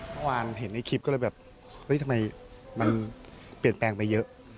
เมื่อวานเห็นในคลิปก็เลยแบบเฮ้ยทำไมมันเปลี่ยนแปลงไปเยอะ